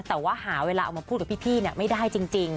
แต่ว่าหาเวลาเอามาพูดกับพี่ไม่ได้จริง